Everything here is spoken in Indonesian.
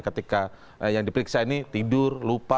ketika yang diperiksa ini tidur lupa